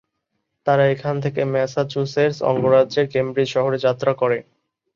তারা এখান থেকে ম্যাসাচুসেটস অঙ্গরাজ্যের কেমব্রিজ শহরে যাত্রা করে।